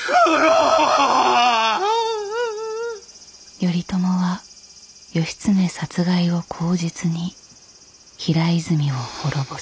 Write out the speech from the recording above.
頼朝は義経殺害を口実に平泉を滅ぼす。